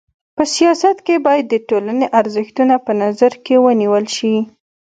په سیاست کي بايد د ټولني ارزښتونه په نظر کي ونیول سي.